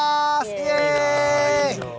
イエイ。